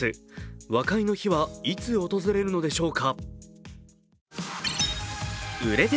和解の日はいつ訪れるのでしょうか。